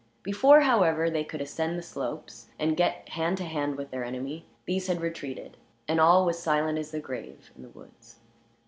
Before, however, they could ascend the slopes and get hand to hand with their enemy, these had retreated, and all was silent as the grave in the woods.